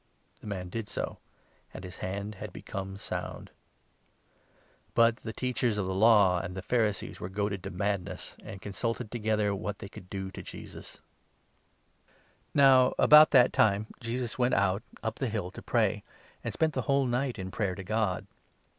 The man did so ; and his hand had become sound. But n the Teachers of the Law and the Pharisees were goaded to madness, and consulted together what they could do to Jesus. * i Sam. ai. 6. LUKE, 6. 117 The twelve Now about that time, Jesus went out, up the hill, 12 Apostles, to pray, and spent the whole night in prayer to God.